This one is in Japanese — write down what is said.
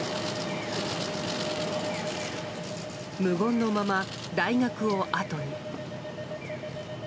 無言のまま大学をあとに。